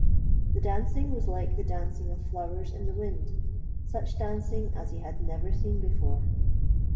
The dancing was like the dancing of flowers in the wind, such dancing as he had never seen before.